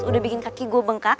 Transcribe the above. udah bikin kaki gue bengkak